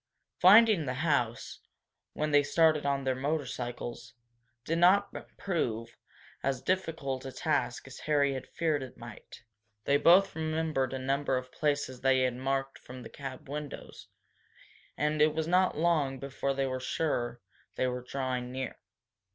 Finding the house, when they started on their motorcycles, did not prove as difficult a task as Harry had feared it might. They both remembered a number of places they had marked from the cab windows, and it was not long before they were sure they were drawing near.